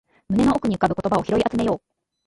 胸の奥に浮かぶ言葉を拾い集めよう